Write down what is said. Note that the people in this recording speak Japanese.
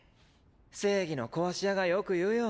正義の壊し屋がよく言うよ。